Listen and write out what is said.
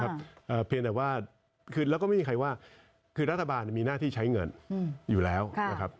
รัฐบาลมีนะที่ใช้เงินอยู่แล้วนะครับเราเก็บเงินประสีมานะที่ของเราคือใช้